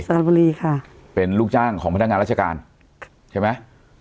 ระบุรีค่ะเป็นลูกจ้างของพนักงานราชการใช่ไหม